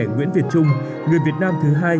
nguyễn việt trung người việt nam thứ hai